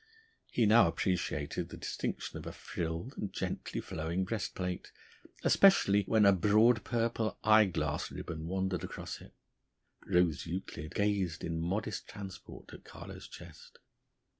He now appreciated the distinction of a frilled and gently flowing breastplate, especially when a broad purple eye glass ribbon wandered across it. Rose Euclid gazed in modest transport at Carlo's chest.